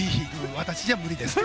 私じゃ無理ですって。